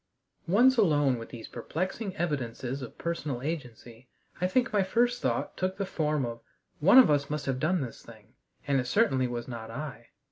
Once alone with these perplexing evidences of personal agency, I think my first thought took the form of "One of us must have done this thing, and it certainly was not I."